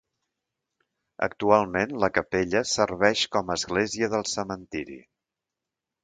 Actualment la capella serveix com a església del cementiri.